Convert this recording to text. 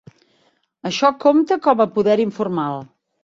Això compta com a poder informal.